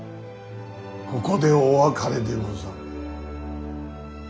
ここでお別れでござる。